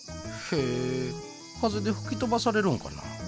風でふき飛ばされるんかな。